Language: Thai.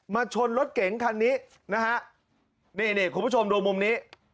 ชนรถเก๋งคันนี้นะฮะนี่นี่คุณผู้ชมดูมุมนี้